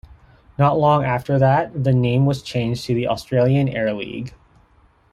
Not long after that the name was changed to the "Australian Air League".